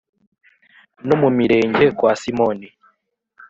No mu Mirenge kwa Simoni